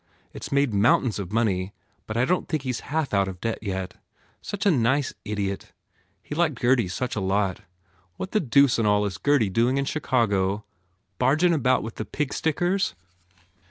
It s made mountains of money but I don t think he s half out of debt, yet. Such a nice idiot. He liked Gurdy such a lot. What the deuce an all is Gurdy doing in Chicago? Bar gin about with the pigstickers?"